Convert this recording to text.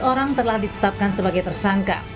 empat belas orang telah ditetapkan sebagai tersangka